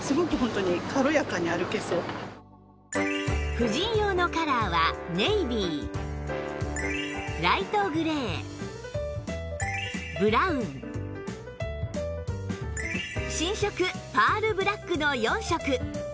婦人用のカラーはネイビーライトグレーブラウン新色パールブラックの４色